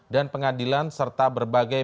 dan pengadilan serta berbagai